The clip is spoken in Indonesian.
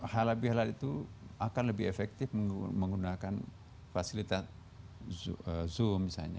halal bihalal itu akan lebih efektif menggunakan fasilitas zoom misalnya atau google meeting dan seterusnya